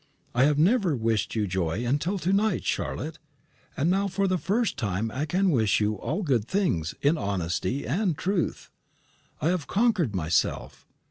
I have never wished you joy until to night, Charlotte, and now for the first time I can wish you all good things, in honesty and truth. I have conquered myself.